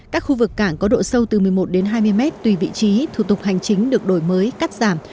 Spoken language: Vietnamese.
các khu vực cảng có độ sâu từ một mươi một đến hai mươi mét tùy vị trí thủ tục hành chính được đổi mới cắt giảm